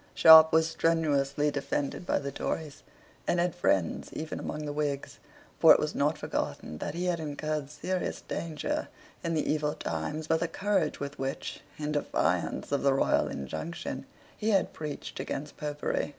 Sharp was strenuously defended by the Tories, and had friends even among the Whigs: for it was not forgotten that he had incurred serious danger in the evil times by the courage with which, in defiance of the royal injunction, he had preached against Popery.